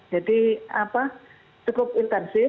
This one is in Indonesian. jadi apa cukup intensif